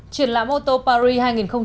triển lãm ô tô paris hai nghìn một mươi tám